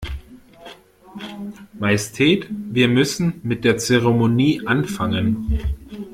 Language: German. Majestät, wir müssen mit der Zeremonie anfangen.